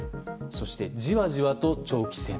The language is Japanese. そして、じわじわと長期戦。